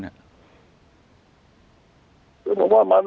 บ้านครูยุนน่ะคือผมว่ามัน